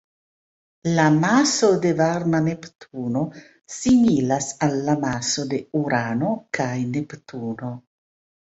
La maso de varma Neptuno similas al la maso de Urano kaj Neptuno.